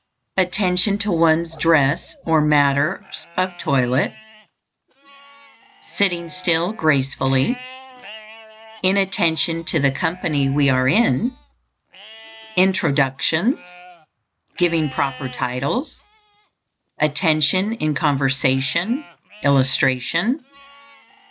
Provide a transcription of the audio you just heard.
_ Attention to one's dress or matters of toilet. Sitting still gracefully. Inattention to the company we are in. Introductions. Giving proper titles. _Attention in conversation, illustration.